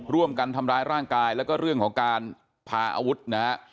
ร่วมกันทำร้ายร่างกายแล้วก็เรื่องของการพาอาวุธนะฮะ